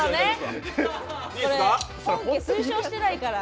本家、推奨してないから。